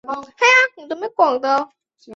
大盘䲟为䲟科大盘䲟属的鱼类。